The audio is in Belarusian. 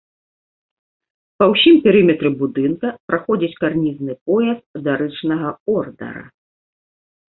Па ўсім перыметры будынка праходзіць карнізны пояс дарычнага ордара.